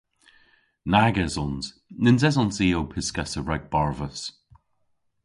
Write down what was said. Nag esons. Nyns esons i ow pyskessa rag barvus.